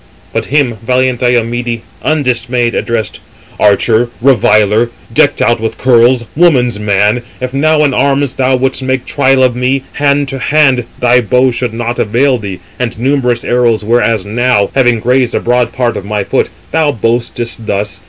But him valiant Diomede, undismayed, addressed: "Archer, reviler, decked out with curls, woman's man, if now in arms thou wouldst make trial of me, hand to hand, thy bow should not avail thee, and numerous arrows 376 whereas now, having grazed the broad part of my foot, thou boastest thus.